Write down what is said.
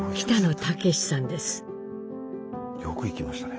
よく行きましたね。